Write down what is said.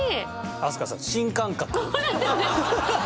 飛鳥さん新感覚？